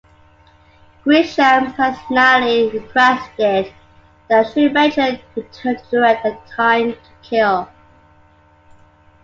Grisham personally requested that Schumacher return to direct "A Time to Kill".